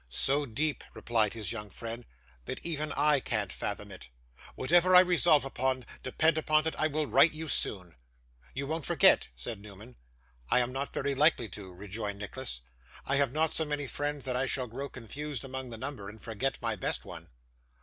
'So deep,' replied his young friend, 'that even I can't fathom it. Whatever I resolve upon, depend upon it I will write you soon.' 'You won't forget?' said Newman. 'I am not very likely to,' rejoined Nicholas. 'I have not so many friends that I shall grow confused among the number, and forget my best one.